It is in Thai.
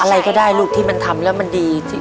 อะไรก็ได้ลูกที่มันทำแล้วมันดีจริง